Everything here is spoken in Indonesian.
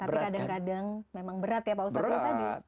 tapi kadang kadang memang berat ya pak ustadz